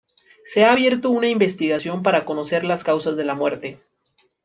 Se ha abierto una investigación para conocer las causas de la muerte.